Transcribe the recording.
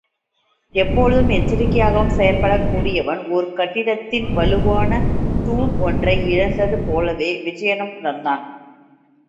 எப்போதும் எச்சரிகையாகவும் செயல்படக் கூடியவன், ஒரு கட்டிடத்தின் வலுவான தூண் ஒன்றை இழந்தது போலவே விஜயனும் உணர்ந்தான்.